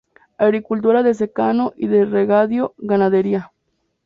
Agricultura de secano y de regadío, ganadería.